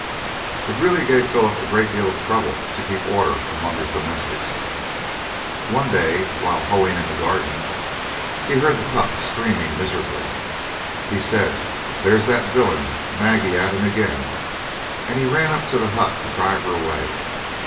It really gave Philip a great deal of trouble to keep order among his domestics. One day, while hoeing in the garden, he heard the Pup screaming miserably. He said, "There's that villain, Maggie, at him again," and he ran up to the hut to drive her away.